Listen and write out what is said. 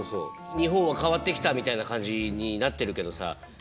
日本は変わってきたみたいな感じになってるけどさ実情はね。